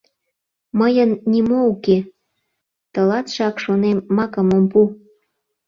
«Мыйын нимо уке!» — тылатшак, шонем, макым ом пу.